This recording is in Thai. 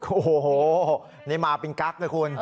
โอ้โหนี่มาเป็นกั๊กนะคุณ